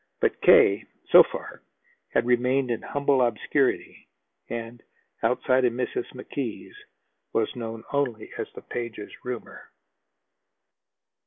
But K., so far, had remained in humble obscurity, and, outside of Mrs. McKee's, was known only as the Pages' roomer.